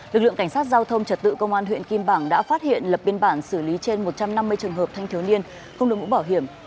lực lượng cảnh sát giao thông trật tự công an huyện kim bảng đã phát hiện lập biên bản xử lý trên một trăm năm mươi trường hợp thanh thiếu niên không được mũ bảo hiểm